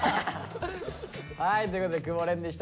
はいということで久保廉でした。